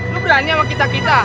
lu berani sama kita kita